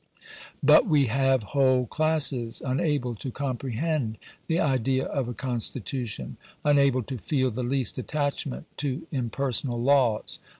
But we have whole classes unable to comprehend the idea of a constitution unable to feel the least attachment to impersonal laws.